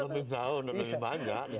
lebih jauh lebih banyak